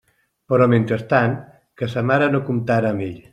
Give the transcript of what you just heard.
Però mentrestant, que sa mare no comptara amb ell.